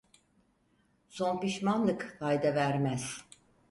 Son pişmanlık fayda vermez.